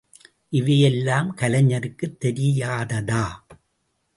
இவையெல்லாம் கலைஞருக்குத் தெரியாததா?